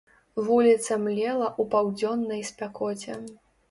Вуліца млела ў паўдзённай спякоце.